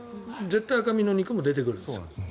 絶対赤身の肉も出てくるんです。